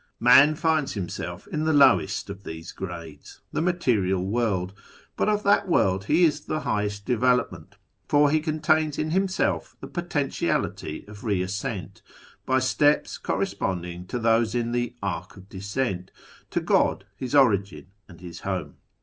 Man finds himself in the lowest of these grades — the ]\Iaterial World ; but of that world he is the highest develop ment, for he contains in himself the potentiality of re ascent, , by steps corresponding to those in the " Arc of Descent," to I God, his Origin and his Home.